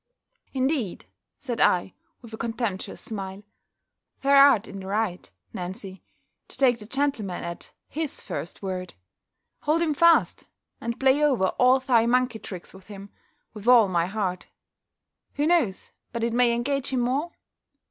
"Indeed," said I, with a contemptuous smile, "thou'rt in the right, Nancy, to take the gentleman at his first word. Hold him fast, and play over all thy monkey tricks with him, with all my heart; who knows but it may engage him more?